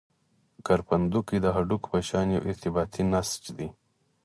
کرپندوکي د هډوکو په شان یو ارتباطي نسج دي.